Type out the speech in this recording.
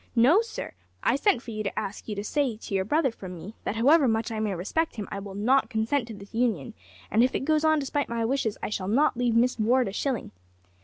No, sir, I sent for you to ask you to say to your brother from me, that however much I may respect him I will not consent to this union, and if it goes on despite my wishes I shall not leave Miss Ward a shilling.'